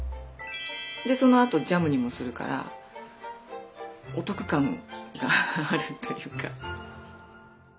でそのあとジャムにもするからお得感があるというか。